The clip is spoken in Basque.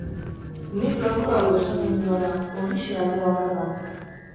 Nik laburrago esaten dudala, horixe alde bakarra.